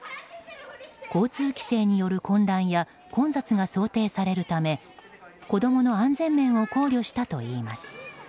交通規制による混乱や混雑が想定されるため子供の安全面を考慮したといいます。